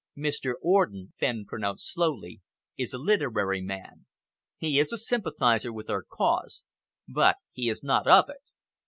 "Mr. Orden," Fenn pronounced slowly, "is a literary man. He is a sympathiser with our cause, but he is not of it."